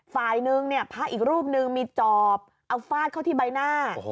ฝ่ายนึงเนี่ยพระอีกรูปนึงมีจอบเอาฟาดเข้าที่ใบหน้า